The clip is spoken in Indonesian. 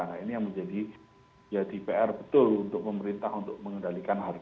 nah ini yang menjadi ya dpr betul untuk pemerintah untuk mengendalikan harga ron sembilan puluh dua